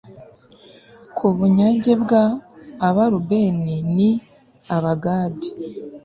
ku bunyage bw abarubeni n abagadi